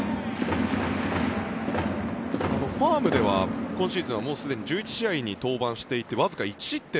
ファームでは今シーズンは１１試合に登板していてわずか１失点。